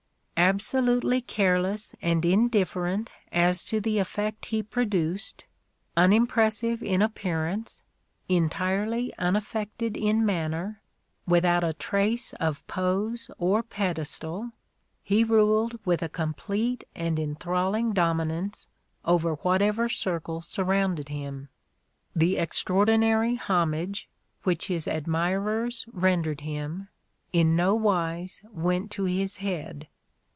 Absolutely careless and indifferent as to the effect he pro duced, — unimpressive in appearance, entirely unaffected in manner, without a trace of pose or pedestal, he ruled with a complete and enthrall ing dominance over whatever circle surrounded him. The extraordinary homage which his admirers rendered him, in no wise "went to his head."